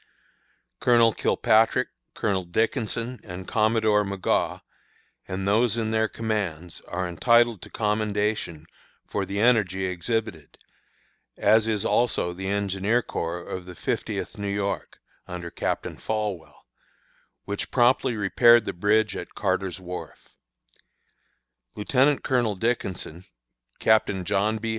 "Colonel Kilpatrick, Colonel Dickinson, and Commodore Magaw, and those in their commands, are entitled to commendation for the energy exhibited, as is also the engineer corps of the Fiftieth New York, under Captain Folwell, which promptly repaired the bridge at Carter's wharf. Lieutenant Colonel Dickinson, Captain John B.